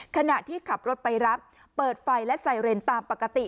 ขณะที่ขับรถไปรับเปิดไฟและไซเรนตามปกติ